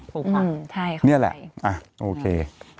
ถูกค่ะอืมใช่ค่อยจะค่อยนี่แหละอ่ะโอเค